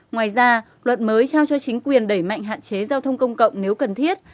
ngoài ra luật mới trao cho chính quyền đẩy mạnh hạn chế giao thông công cộng nếu cần thiết